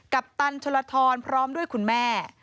ปตันชลทรพร้อมด้วยคุณแม่